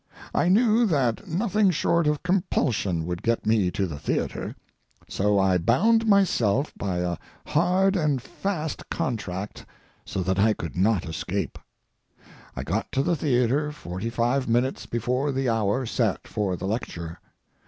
I knew that nothing short of compulsion would get me to the theatre. So I bound myself by a hard and fast contract so that I could not escape. I got to the theatre forty five minutes before the hour set for the lecture.